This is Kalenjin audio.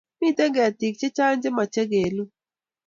Mito ketik che chang' che mache kelul